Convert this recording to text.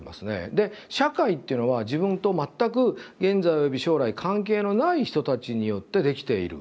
で「社会」っていうのは自分と全く現在および将来関係のない人たちによって出来ている。